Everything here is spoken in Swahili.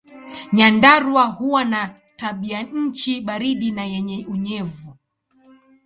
Nyandarua huwa na tabianchi baridi na yenye unyevu.